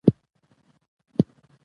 لنډۍ